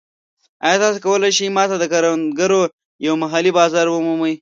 ایا تاسو کولی شئ ما ته د کروندګرو یو محلي بازار ومومئ؟